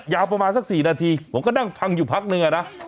ประมาณสัก๔นาทีผมก็นั่งฟังอยู่พักนึงอะนะ